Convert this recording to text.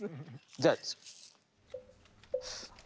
じゃあ。